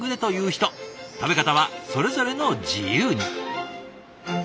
食べ方はそれぞれの自由に。